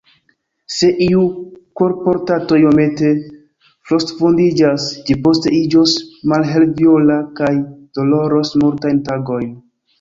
Se iu korpoparto iomete frostvundiĝas, ĝi poste iĝos malhelviola kaj doloros multajn tagojn.